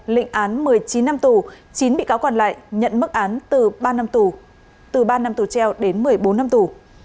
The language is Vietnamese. lịnh án một mươi chín năm tù chín bị cáo còn lại nhận mức án từ ba năm tù treo đến một mươi bốn năm tù